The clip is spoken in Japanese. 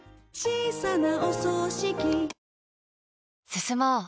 進もう。